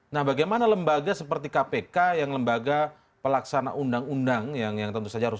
nah bagaimana lembaga seperti kpk yang lembaga pelaksana undang undang yang tentu saja harus